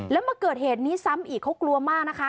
แล้วมาเกิดเหตุนี้ซ้ำอีกเขากลัวมากนะคะ